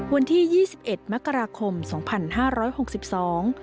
วันที่๒๑มกราคมสองพันห้าร้อยหกสิบสอง